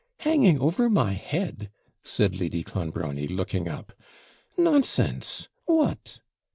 'Hanging over my head?' said Lady Clonbrony, looking up; 'nonsense! what?'